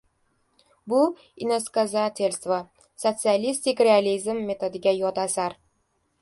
— Bu inoskazatelstva! Sotsialistik realizm metodiga yot asar!